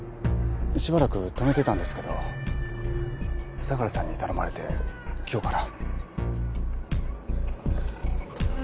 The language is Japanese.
しばらく止めてたんですけど相良さんに頼まれて今日から。